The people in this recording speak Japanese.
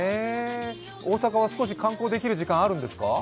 大阪は少し観光できる時間はあるんですか？